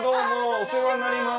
お世話になります。